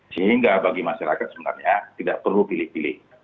sehingga bagi masyarakat sebenarnya tidak perlu pilih pilih